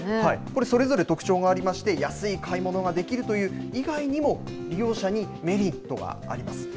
これ、それぞれ特徴がありまして、安い買い物ができるという以外にも、利用者にメリットがあります。